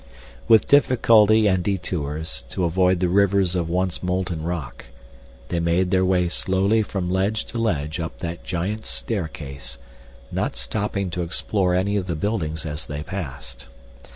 With difficulty and detours to avoid the rivers of once molten rock, they made their way slowly from ledge to ledge up that giant's staircase, not stopping to explore any of the buildings as they passed.